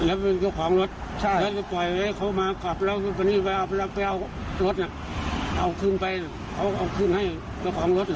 เอาขึ้นไปเอาขึ้นให้เอาของรถเหรอ